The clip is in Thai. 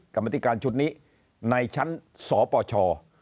กรรมธิการชุดนี้ในชั้นสปช